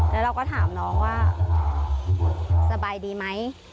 แล้วเราก็ถามน้องว่าสบายดีไหม